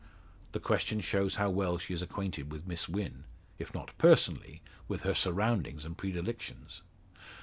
The question shows how well she is acquainted with Miss Wynn if not personally, with her surroundings and predilections!